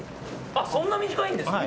あっそんな短いんですね。